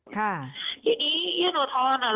ใช่ทีนี้ยื่นอธรรณอะ